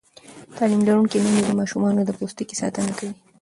تعلیم لرونکې میندې د ماشومانو د پوستکي ساتنه کوي.